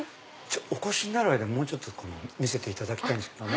お越しになるまでもうちょっと見せていただきたいんですけど。